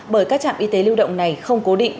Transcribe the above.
bởi các trạm y tế lưu động này không cố định